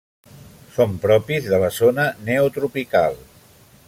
Són propis de la zona neotropical.